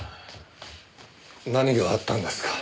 何があったんですか？